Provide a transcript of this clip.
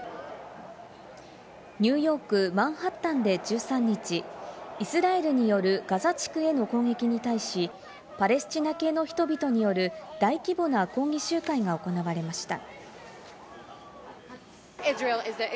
ニューヨーク・マンハッタンで１３日、イスラエルによるガザ地区への攻撃に対し、パレスチナ系の人々による大規模な抗議集会が行われました。